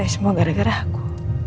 semoga gara gara aku